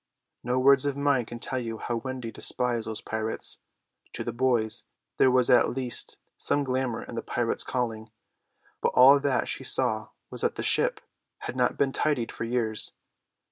No words of mine can tell you how Wendy despised those pirates. To the boys there was at least some glamour in the pirate calling; but all that she saw was that the ship had not been tidied for years.